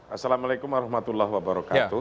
assalamu'alaikum warahmatullahi wabarakatuh